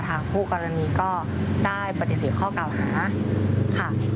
คู่กรณีก็ได้ปฏิเสธข้อเก่าหาค่ะ